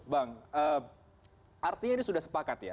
bang artinya ini sudah sepakat ya